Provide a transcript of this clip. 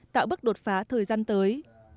tạo bước đột phá thời gian tới